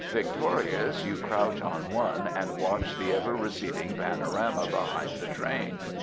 Victorious, you crouch on one, and watch the ever receding panorama behind the train.